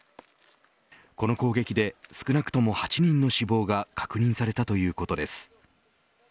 この攻撃で少なくとも８人の死亡が確認されたということです。